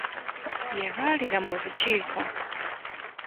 Yalwalira mu lukiiko.